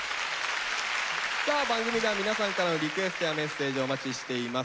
さあ番組では皆さんからのリクエストやメッセージをお待ちしています。